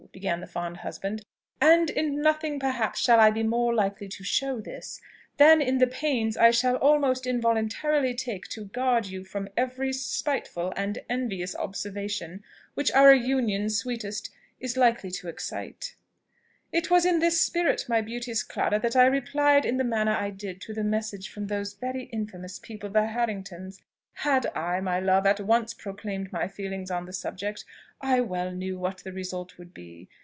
began the fond husband; "and in nothing perhaps shall I be more likely to show this, than in the pains I shall almost involuntarily take to guard you from every spiteful and envious observation which our union, sweetest, is likely to excite. It was in this spirit, my beauteous Clara, that I replied in the manner I did to the message from those very infamous people the Harringtons. Had I, my love, at once proclaimed my feelings on the subject, I well knew what the result would be.